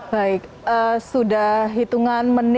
baik sudah hitungan